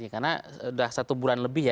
karena sudah satu bulan lebih ya